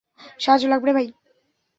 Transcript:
সাহায্য লাগবে রে ভাই!